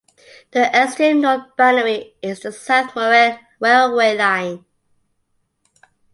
The extreme north boundary is the South Morang railway line.